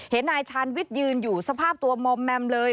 นายชาญวิทย์ยืนอยู่สภาพตัวมอมแมมเลย